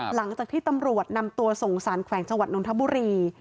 หลังจากที่ตำรวจนำตัวส่งสารแขวงจังหวัดนทบุรี